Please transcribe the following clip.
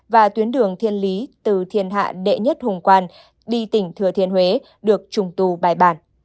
và tuyến đường thiên lý từ thiên hạ đệ nhất hùng quan đi tỉnh thừa thiên huế được trùng tu bài bản